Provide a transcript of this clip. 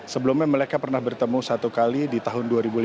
sebelumnya mereka pernah bertemu satu kali di tahun dua ribu lima belas